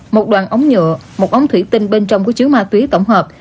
một đoàn ống nhựa một ống thủy tinh bên trong có chứa ma túy tổng hợp